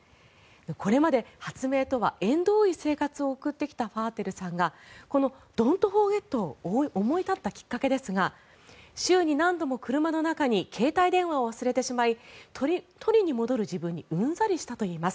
これまで発明とは縁遠い生活を送ってきたファーテルさんがこのＤｏｎ’ｔＦｏｒｇｅｔを思い立ったきっかけですが週に何度も車の中に携帯電話を忘れてしまい取りに戻る自分にうんざりしたといいます。